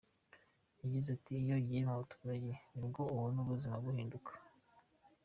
Yagize ati “Iyo ugiye mu baturage nibwo ubona ko ubuzima buhinduka.